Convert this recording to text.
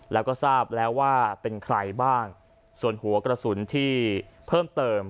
แล้วก็ทราบแล้วว่าเป็นใครบ้างส่วนหัวกระสุนที่เพิ่มเติม